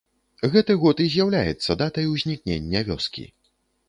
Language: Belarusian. Гэты год і з'яўляецца датай узнікнення вёскі.